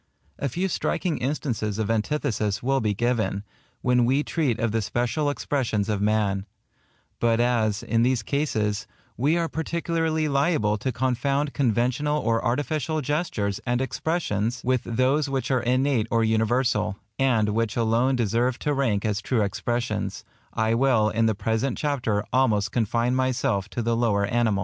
A few striking instances of antithesis will be given, when we treat of the special expressions of man; but as, in these cases, we are particularly liable to confound conventional or artificial gestures and expressions with those which are innate or universal, and which alone deserve to rank as true expressions, I will in the present chapter almost confine myself to the lower animals.